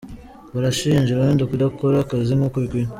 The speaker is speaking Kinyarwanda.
Barashinja irondo kudakora akazi nk’uko bikwiye.